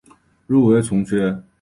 入围从缺。